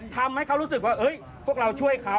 ทำให้เขารู้สึกว่าพวกเราช่วยเขา